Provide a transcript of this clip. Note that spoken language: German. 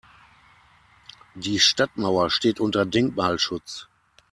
Die Stadtmauer steht unter Denkmalschutz.